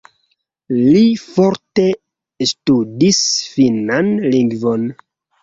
Li forte ŝtudis finnan lingvon.